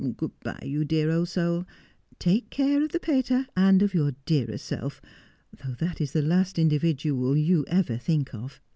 Good bye, you dear old soul ; take care of the pater and of your dearest self, though that is the last individual you ever think of.'